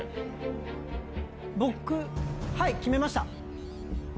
僕はい決めました。